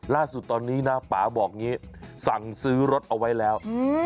ล่าสุดตอนนี้นะป่าบอกอย่างนี้สั่งซื้อรถเอาไว้แล้ว